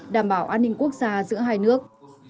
đảm bảo an ninh quốc gia giữa hai nước